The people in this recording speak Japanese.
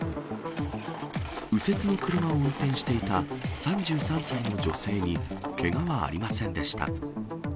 右折の車を運転していた３３歳の女性にけがはありませんでした。